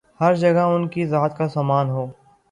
ہر جگہ ان کی زلت کا سامان ہو